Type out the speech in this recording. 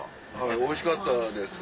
おいしかったです。